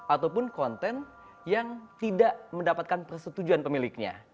ataupun konten yang tidak mendapatkan persetujuan pemiliknya